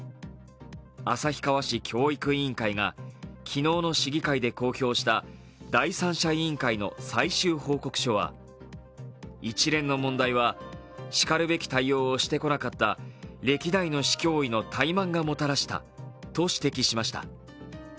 旭川市教育委員会が昨日の市議会で公表した第三者委員会の最終報告書は、一連の問題はしかるべき対応をしてこなかった歴代の市教委の怠慢がもたらしたと指摘しました。